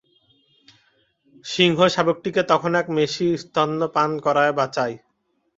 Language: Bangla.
সিংহশাবকটিকে তখন এক মেষী স্তন্য পান করাইয়া বাঁচায়।